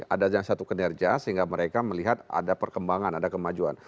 ada yang satu kinerja sehingga mereka melihat ada perkembangan ada kemajuan